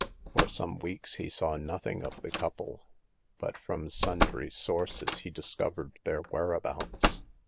For some weeks he saw nothing of the couple, but from sundry sources he discovered their whereabouts.